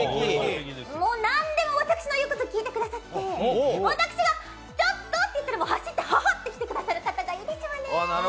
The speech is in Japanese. なんでも私の言うことを聞いてくださって私がちょっと！と言ったら走ってくる方がいいです。